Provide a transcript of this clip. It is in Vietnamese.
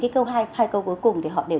cô gái của cái vùng cao đấy